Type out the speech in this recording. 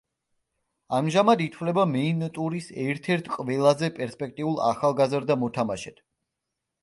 ამჟამად ითვლება მეინ-ტურის ერთ-ერთ ყველაზე პერსპექტიულ ახალგაზრდა მოთამაშედ.